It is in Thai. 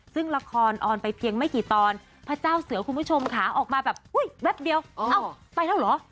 ซึ่งละครออนไปเพียงไม่กี่ตอนพระเจ้าเสือคุณผู้ชมค่ะออกมาแบบอุ้ยแป๊บเดียวเอ้าไปแล้วเหรอ